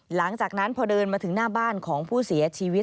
หลังจากนั้นพอเดินมาถึงหน้าบ้านของผู้เสียชีวิต